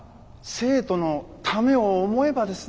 生徒のためを思えばですね